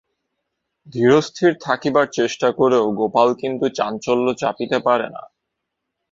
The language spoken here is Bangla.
ধীরস্থির থাকিবার চেষ্টা করেও গোপাল কিন্তু চাঞ্চল্য চাপিতে পারে না।